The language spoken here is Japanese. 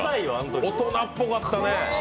大人っぽかったね。